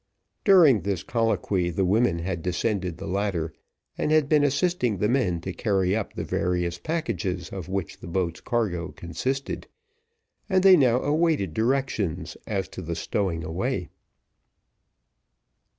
During this colloquy the women had descended the ladder, and had been assisting the men to carry up the various packages of which the boat's cargo consisted, and they now awaited directions as to the stowing away.